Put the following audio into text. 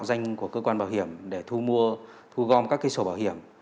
các đối tượng đứng ra mạo danh của cơ quan bảo hiểm để thu mua thu gom các cái sổ bảo hiểm